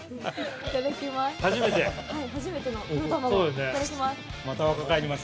◆いただきます。